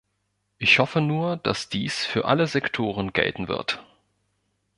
Ich hoffe nur, dass dies für alle Sektoren gelten wird.